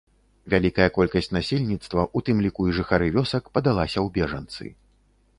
Вялікая колькасць насельніцтва, у тым ліку і жыхары вёсак, падалася ў бежанцы.